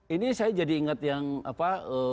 ini saya jadi ingat yang apa